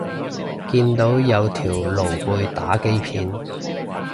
見到有條露背打機片